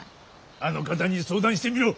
あの方に相談してみろ。